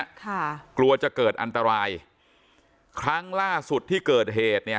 ค่ะกลัวจะเกิดอันตรายครั้งล่าสุดที่เกิดเหตุเนี่ย